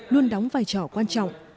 luôn đóng vai trò quan trọng